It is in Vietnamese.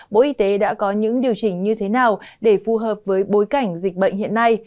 bộ y tế đã có những điều chỉnh như thế nào để phù hợp với bối cảnh dịch bệnh hiện nay